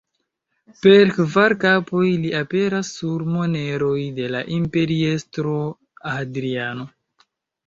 Per kvar kapoj li aperas sur moneroj de la imperiestro Hadriano.